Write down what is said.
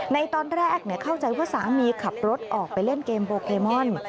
ในตอนแรกเข้าใจว่าสามีขับรถออกไปเล่นเกมโปเกมอน